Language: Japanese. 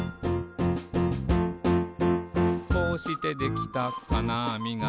「こうしてできたかなあみが」